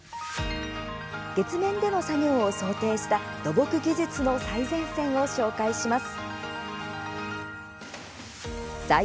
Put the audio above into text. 月面での作業を想定した土木技術の最前線を紹介します。